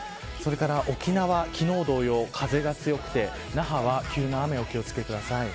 沖縄、昨日同様、風が強くて那覇は急な雨にお気を付けください。